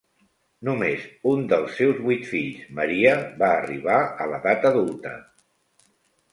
Només un dels seus vuit fills, Maria, va arribar a l'edat adulta.